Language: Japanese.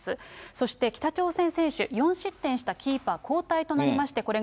そして北朝鮮選手、４失点したキーパー、交代となりまして、これ